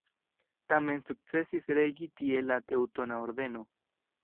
Tamen sukcesis regi tie la Teŭtona Ordeno.